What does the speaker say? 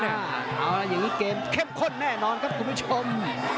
เอาละอย่างนี้เกมเข้มข้นแน่นอนครับคุณผู้ชม